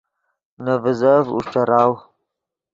نے ڤیزف اوݰ ݯراؤ